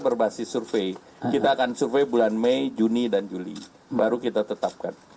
berbasis survei kita akan survei bulan mei juni dan juli baru kita tetapkan